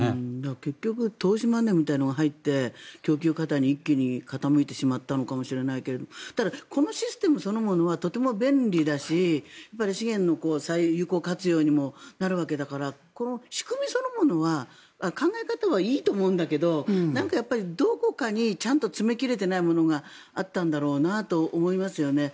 結局投資マネーみたいなのが入って供給過多に一気に傾いてしまったのかもしれないけれどただ、このシステムそのものはとても便利だし資源の有効活用にもなるわけだから仕組みそのものは、考え方はいいと思うんだけどなんか、どこかにちゃんと詰め切れていないものがあったんだろうなと思いますよね。